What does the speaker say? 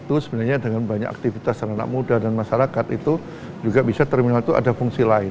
itu sebenarnya dengan banyak aktivitas dan anak muda dan masyarakat itu juga bisa terminal itu ada fungsi lain